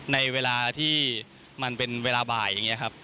ในเวลาที่มันเป็นเวลาบ่ายอย่างนี้ครับ